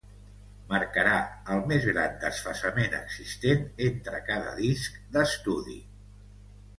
Marcarà el més gran desfasament existent entre cada disc d"estudi.